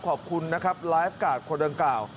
ขอบคุณนะครับไลฟ์การ์ดคนดังกล่าว